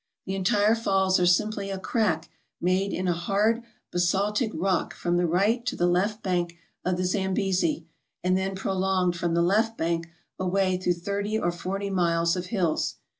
The entire falls are simply a crack made in a hard basal tic rock from the right to the left bank of the Zambesi, and then prolonged from the left bank away through thirty or forty miles of hills.